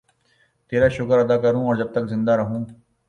تیرا شکر ادا کروں اور جب تک زندہ رہوں